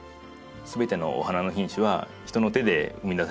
すべてのお花の品種は人の手で生み出されたものです。